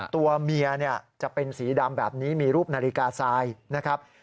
ตัวเมียจะเป็นสีดำแบบนี้มีรูปนาฬิกาทรายนะครับ